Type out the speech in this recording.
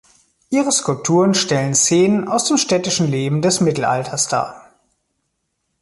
Ihre Skulpturen stellen Szenen aus dem städtischen Leben des Mittelalters dar.